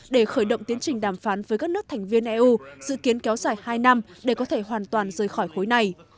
để khởi động tiến trình đàm phán với các nước thành viên eu dự kiến kéo dài hai năm để có thể hoàn toàn rời khỏi khối này